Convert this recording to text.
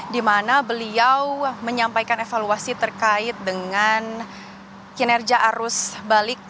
di mana beliau menyampaikan evaluasi terkait dengan kinerja arus balik